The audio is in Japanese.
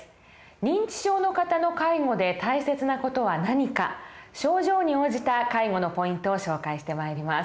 認知症の方の介護で大切な事は何か症状に応じた介護のポイントを紹介してまいります。